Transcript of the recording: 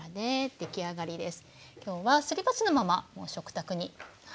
出来上がりです。